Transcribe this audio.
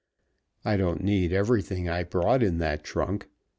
I don't need everything I brought in that trunk.